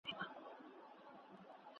خدای مي دي ملګرو په دې لویه ګناه نه نیسي ,